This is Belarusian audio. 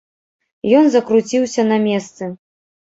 Ён закруціўся на месцы.